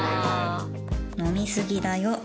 「飲みすぎだよ」